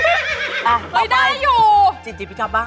เออเอาไปจีบพี่ทัพมา